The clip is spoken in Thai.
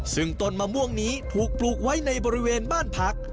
ซึ่งต้นมะม่วงนี้ถูกปลูกไว้ในบริเวณบ้านพัก